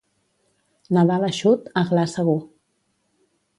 Nadal eixut, aglà segur.